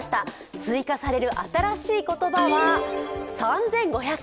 追加される新しい言葉は３５００。